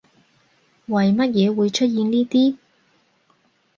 為乜嘢會出現呢啲